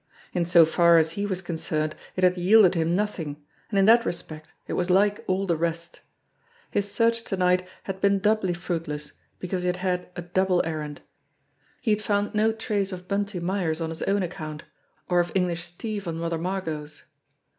In so far as he was concerned it had yielded him nothing, and in that respect 168 ENGLISH STEVE 169 it was like all the rest. His search to night had been doubly fruitless because he had had a double errand. He had found no trace of Bunty Myers on his own account, or of English Steve on Mother Margot's.